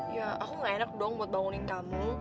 ya aku gak enak dong buat bangunin kamu